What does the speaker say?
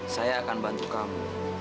saya akan bantu kamu